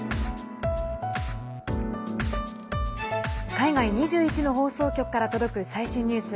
海外２１の放送局から届く最新ニュース。